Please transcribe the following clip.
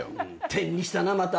点にしたなまた。